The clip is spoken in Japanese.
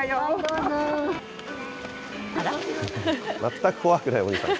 全く怖くない鬼さん。